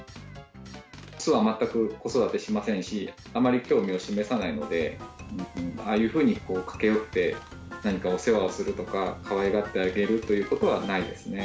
雄はまったく子育てしませんし、あまり興味を示さないので、ああいうふうに駆け寄って、何かお世話をするとか、かわいがってあげるということはないですね。